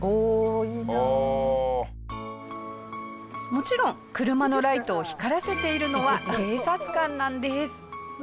もちろん車のライトを光らせているのは警察官なんです。